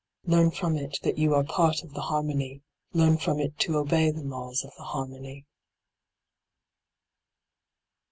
Learn from it that you are part of the har mony ; learn from it to obey the laws of the harmony.